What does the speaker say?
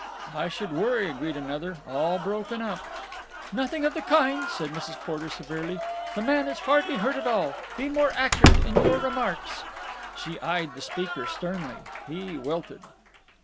"I should worry!" agreed another. "All broken up." "Nothing of the kind," said Mrs. Porter severely. "The man is hardly hurt at all. Be more accurate in your remarks." She eyed the speaker sternly. He wilted.